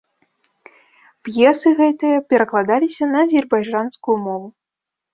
П'есы гэтыя перакладаліся на азербайджанскую мову.